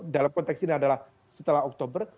dalam konteks ini adalah setelah oktober